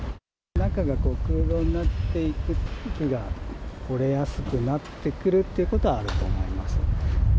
中が空洞になっていて、木が折れやすくなってくるってことはあると思いますね。